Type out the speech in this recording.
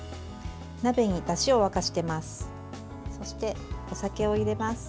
鍋にだしを沸かしています。